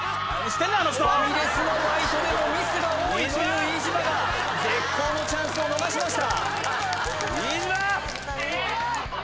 ファミレスのバイトでもミスが多いという飯島が絶好のチャンスを逃しました